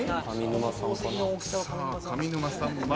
さあ上沼さんは？